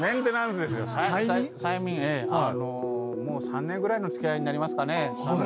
もう３年ぐらいの付き合いになりますかね。